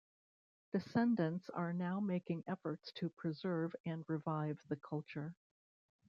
Descendants are now making efforts to preserve and revive the culture.